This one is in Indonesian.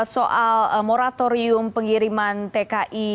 soal moratorium pengiriman tki